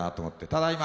「ただいま」